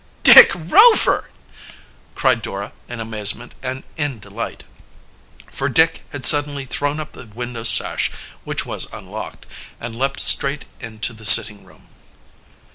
"Dick Rover!" cried Dora in amazement and in delight. For Dick had suddenly thrown up the window sash, which was unlocked, and leaped straight into the sitting room.